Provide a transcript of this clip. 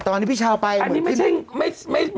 ตอนนี้พี่เช้าไปเหมือนขึ้น